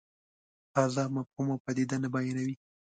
تازه مفهوم او پدیده نه بیانوي.